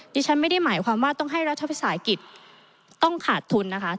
ดิฉันไม่ได้หมายความว่าต้องให้รัฐวิสาหกิจต้องขาดทุนนะคะ